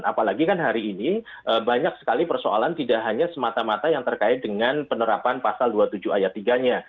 apalagi kan hari ini banyak sekali persoalan tidak hanya semata mata yang terkait dengan penerapan pasal dua puluh tujuh ayat tiga nya